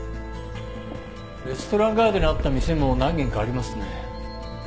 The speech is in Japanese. レストランガイドにあった店も何軒かありますね。